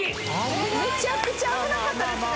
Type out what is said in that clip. めちゃくちゃ危なかったですね。